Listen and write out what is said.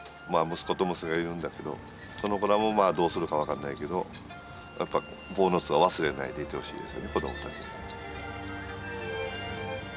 まあ息子と娘がいるんだけどその子らもどうするか分かんないけどやっぱ坊津は忘れないでいてほしいですよね子供たち。